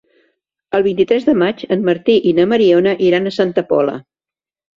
El vint-i-tres de maig en Martí i na Mariona iran a Santa Pola.